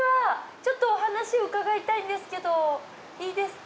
ちょっとお話伺いたいんですけどいいですか？